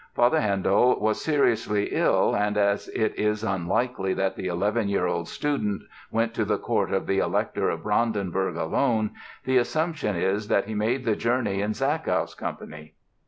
Father Handel was seriously ill and, as it is unlikely that the 11 year old student went to the Court of the Elector of Brandenburg alone, the assumption is that he made the journey in Zachow's company.